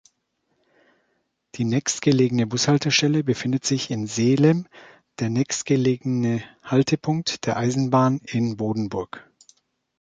Die nächstgelegene Bushaltestelle befindet sich in Sehlem, der nächstgelegene Haltepunkt der Eisenbahn in Bodenburg.